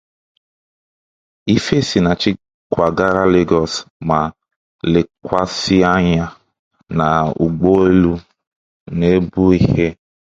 Ifesinachi kwagara Lagos ma lekwasị anya na ụgbọelu na-ebu ihe.